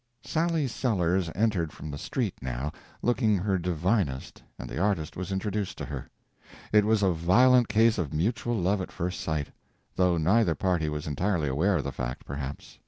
Sally Sellers entered from the street, now, looking her divinest, and the artist was introduced to her. It was a violent case of mutual love at first sight, though neither party was entirely aware of the fact, perhaps.